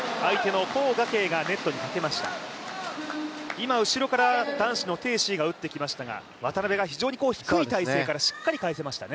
今、後ろから男子の鄭思緯が打ってきましたが、渡辺が低い体勢からしっかり返せましたね。